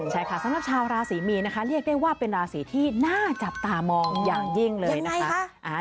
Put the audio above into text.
สำหรับชาวราศีมีนะคะเรียกได้ว่าเป็นราศีที่น่าจับตามองอย่างยิ่งเลยอย่างไรคะ